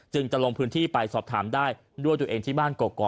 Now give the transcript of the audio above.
จะลงพื้นที่ไปสอบถามได้ด้วยตัวเองที่บ้านกอก